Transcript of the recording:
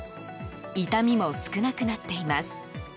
痛みも少なくなっています。